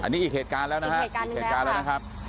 อันนี้อีกเหตุการณ์แล้วนะครับ